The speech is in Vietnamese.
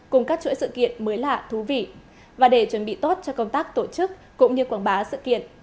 cùng các chuỗi sự kiện mới lạ thú vị và để chuẩn bị tốt cho công tác tổ chức cũng như quảng bá sự kiện